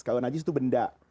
kalau najis itu benda